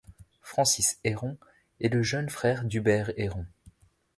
Francis Heron est le jeune frère d’Hubert Heron.